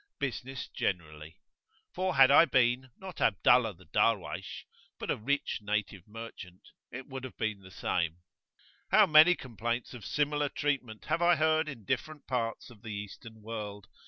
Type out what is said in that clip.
Business generally. For had I been, not Abdullah the Darwaysh, but a rich native merchant, it would have been [p.28]the same. How many complaints of similar treatment have I heard in different parts of the Eastern world!